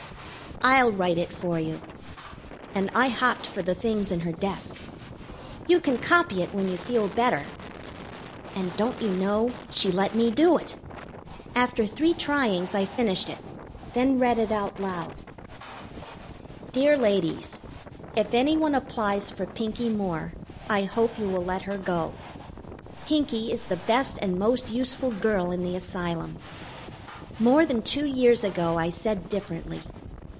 "I'll write it for you." And I hopped for the things in her desk. "You can copy it when you feel better." And, don't you know, she let me do it! After three tryings I finished it, then read it out loud: DEAR LADIES, If any one applies for Pinkie Moore, I hope you will let her go. Pinkie is the best and most useful girl in the Asylum. More than two years ago I said differently.